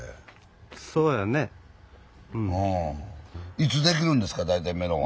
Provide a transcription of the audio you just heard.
いつできるんですか大体メロンは。